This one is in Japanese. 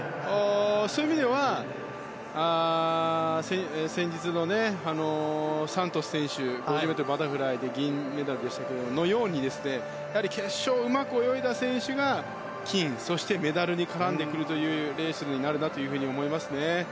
そういう意味では先日、サントス選手は５０ｍバタフライで銀メダルでしたけれども彼のように決勝をうまく泳いだ選手が金そしてメダルに絡んでくるレースになるなと思いますね。